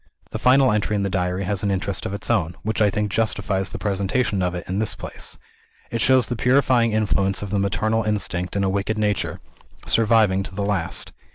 The final entry in the Diary has an interest of its own, which I think justifies the presentation of it in this place. It shows the purifying influence of the maternal instinct in a wicked nature, surviving to the last.